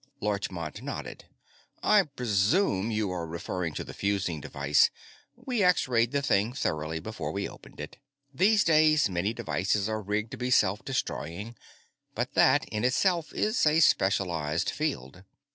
Larchmont nodded. "I presume you are referring to the fusing device. We X rayed the thing thoroughly before we opened it. These days, many devices are rigged to be self destroying, but that, in itself is a specialized field.